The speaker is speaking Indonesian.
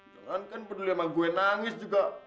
jangan kan peduli sama gue nangis juga